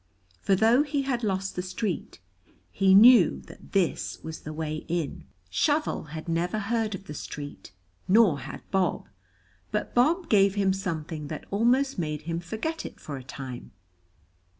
For though he had lost the street, he knew that this was the way in. Shovel had never heard of the street, nor had Bob. But Bob gave him something that almost made him forget it for a time.